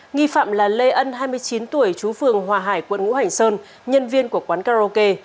nghi phạm là lê ân hai mươi chín tuổi chú phường hòa hải quận ngũ hành sơn nhân viên của quán karaoke